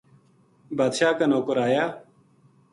بادشاہ کا نوکر آیا